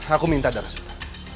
aku minta darah suta